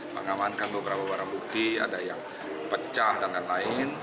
mengamankan beberapa barang bukti ada yang pecah dan lain lain